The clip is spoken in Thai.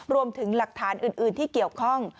รวมถึงหลักฐานอื่นที่เกี่ยวข้อง